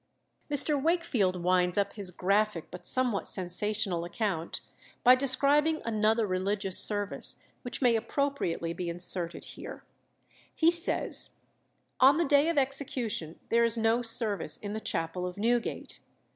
Mr. Wakefield winds up his graphic but somewhat sensational account by describing another religious service, which may appropriately be inserted here. He says, "On the day of execution there is no service in the chapel of Newgate.